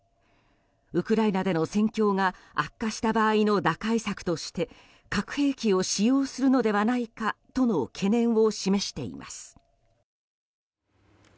ウクライナでの戦況が悪化した場合の打開策として核兵器を使用するのではないかとの懸念を示しています。